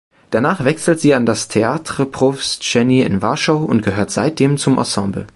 Danach wechselte sie an das "Teatr Powszechny" in Warschau und gehört seitdem zum Ensemble.